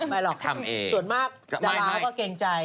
ไม่หรอกส่วนมากดาราเขาก็เกรงใจ